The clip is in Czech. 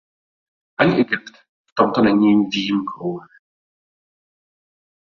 Ani Egypt v tomto není výjimkou.